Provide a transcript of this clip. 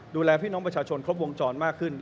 ดูแลพี่น้องประชาชนครบวงจรมากขึ้น